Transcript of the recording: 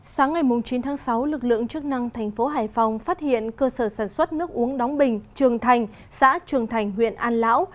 sáng ngày chín tháng sáu lực lượng chức năng thành phố hải phòng phát hiện cơ sở sản xuất nước uống đóng bình trường thành xã trường thành huyện an lão